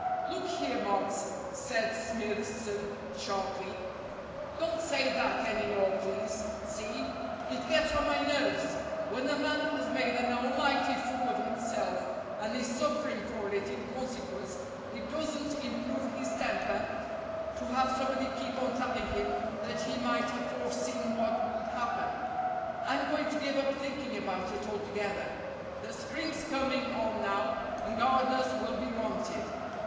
"Look here, Marks," said Smithson sharply, "don't say that any more, please. See ? It gets on my nerves. When a man has made an almighty fool of himself and is suffering for it in consequence, it doesn't im prove his temper to have somebody keep on telling him that he might have foreseen what would happen. I'm going to give up thinking about it altogether. The spring's coming on now and gardeners will be wanted.